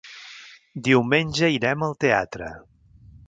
Diumenge irem al teatre.